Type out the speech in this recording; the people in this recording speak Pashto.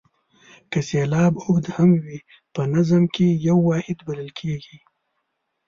که سېلاب اوږد هم وي په نظم کې یو واحد بلل کیږي.